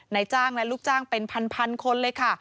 นายจ้างและลูกจ้างเป็นพันคนเลยค่ะ